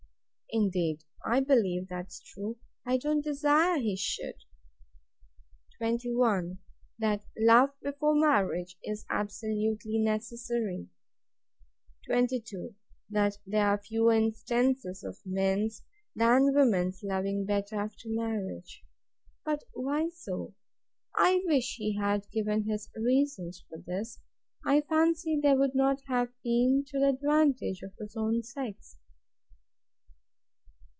Indeed I believe that's true; I don't desire he should. 21. That love before marriage is absolutely necessary. 22. That there are fewer instances of men's than women's loving better after marriage. But why so? I wish he had given his reasons for this! I fancy they would not have been to the advantage of his own sex.